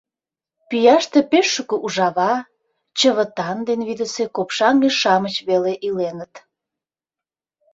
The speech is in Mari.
Пӱяште пеш шуко ужава, чывытан ден вӱдысӧ копшаҥге-шамыч веле иленыт.